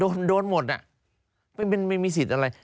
โดนโดนหมดอ่ะไม่มีสิทธิ์อะไร